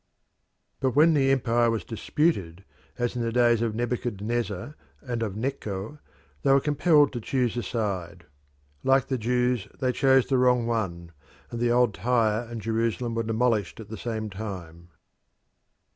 But when the empire was disputed, as in the days of Nebuchadnezzar and of Necho, they were compelled to choose a side. Like the Jews, they chose the wrong one, and the old Tyre and Jerusalem were demolished at the same time.